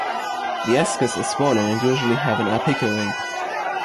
The ascus are swollen and usually have an apical ring.